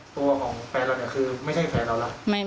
ตัวของแฟนเราคือไม่ใช่แฟนเราล่ะ